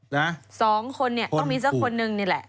๒คนเนี่ยต้องมีสักคนหนึ่งนี่แหละ